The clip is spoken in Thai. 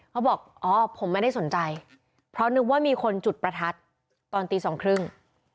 เขาบอกอ๋อผมไม่ได้สนใจเพราะนึกว่ามีคนจุดประทัดตอนตีสองครึ่ง